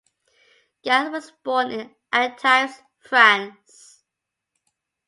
Gans was born in Antibes, France.